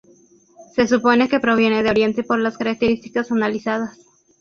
Se supone que proviene de Oriente, por las características analizadas.